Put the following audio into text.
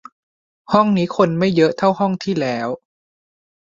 ห้องนี้คนไม่เยอะเท่าห้องที่แล้ว